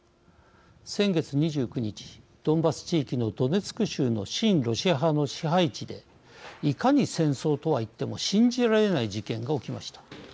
先月２９日ドンバス地域のドネツク州の親ロシア派の支配地でいかに戦争とはいっても信じられない事件が起きました。